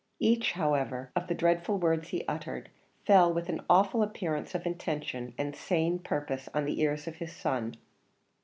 Each, however, of the dreadful words he uttered fell with an awful appearance of intention and sane purpose on the ears of his son.